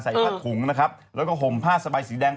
ผ้าถุงนะครับแล้วก็ห่มผ้าสบายสีแดง